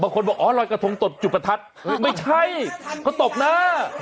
คนบอกอ๋อรอยกระทงตบจุดประทัดไม่ใช่เขาตบหน้า